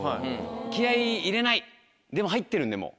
気合入れないでも入ってるんでもう。